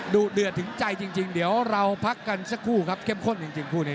ดุเดือดถึงใจจริงเดี๋ยวเราพักกันสักครู่ครับเข้มข้นจริงคู่นี้